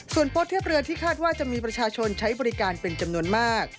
ส่วนโพสต์เทียบเรือที่คาดว่าจะมีประชาชนใช้บริการเป็นจำนวนมาก